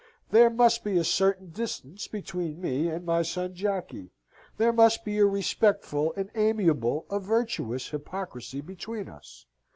There must be a certain distance between me and my son Jacky. There must be a respectful, an amiable, a virtuous hypocrisy between us.